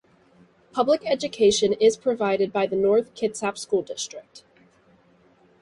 Public education is provided by the North Kitsap School District.